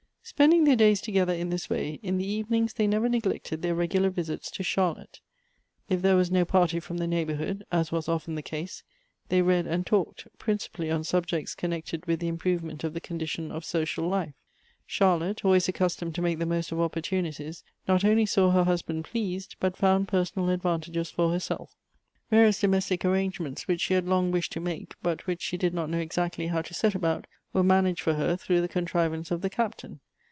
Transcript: Spending their days together in this way, in the even ings they never neglected their regular visits to Charlotte. If there was no party irom the neighborhood, as was often the case, they read and talked, principally on subjects connected with the improvement of the condition and comfort of social life. Charlotte, always accustomed to make the most of opportunities, not only saw her husband pleased, but found personal advantages for herself. Various domestic, arrangements, which she had long wished to make, but which she did not know exactly how to set about, were managed for her through the contrivance of the Captain.